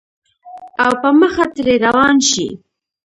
او پۀ مخه ترې روان شې